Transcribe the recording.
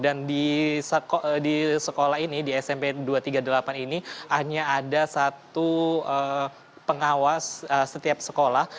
dan di sekolah ini di smp dua ratus tiga puluh delapan ini hanya ada satu pengawas setiap sekolah